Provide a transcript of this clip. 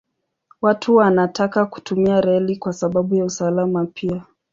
Watu wanataka kutumia reli kwa sababu ya usalama pia.